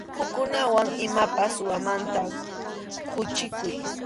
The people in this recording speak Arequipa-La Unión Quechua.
Hukkunawan imapas sumaqmanta quchikuy.